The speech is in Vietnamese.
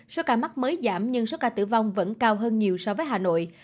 số ca mắc mới giảm nhưng số ca tử vong vẫn cao hơn nhiều so với hà nội